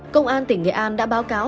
công an tỉnh nghệ an đã báo cáo